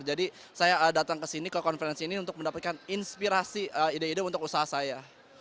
jadi saya datang ke sini ke konferensi ini untuk mendapatkan inspirasi ide ide untuk usaha saya